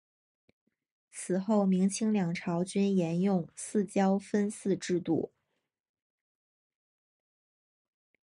此后明清两朝均沿用四郊分祀制度。